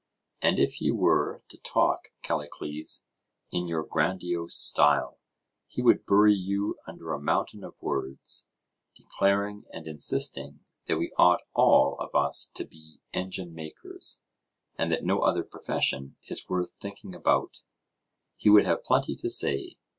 And if he were to talk, Callicles, in your grandiose style, he would bury you under a mountain of words, declaring and insisting that we ought all of us to be engine makers, and that no other profession is worth thinking about; he would have plenty to say.